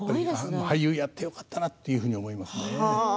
俳優やってよかったなと思いますね。